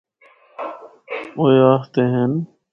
او اے آخدے ہن۔